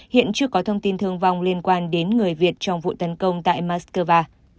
hiện chưa có thông tin thương vong liên quan đến người việt trong vụ tấn công tại moscow